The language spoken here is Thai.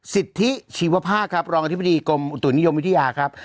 สิทธิชีวภาพครับรองอธิบดีกรมอุตุนิยมวิทยาครับ